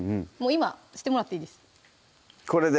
今してもらっていいですこれで？